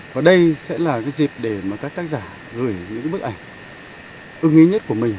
và đây sẽ là cái dịp để mà các tác giả gửi những bức ảnh ưng ý nhất của mình